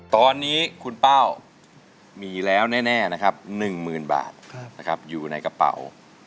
ตอนนี้คุณเป้ามีแล้วแน่นะครับ๑๐๐๐บาทนะครับอยู่ในกระเป๋า